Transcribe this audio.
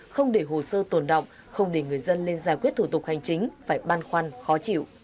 không để hồ sơ tồn động không để hồ sơ tồn động